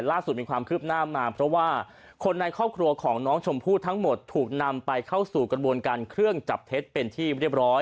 ล่าสุดมีความคืบหน้ามาเพราะว่าคนในครอบครัวของน้องชมพู่ทั้งหมดถูกนำไปเข้าสู่กระบวนการเครื่องจับเท็จเป็นที่เรียบร้อย